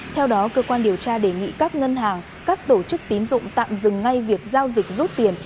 theo đó cơ quan điều tra đề nghị các ngân hàng các tổ chức tín dụng tạm dừng ngay việc giao dịch rút tiền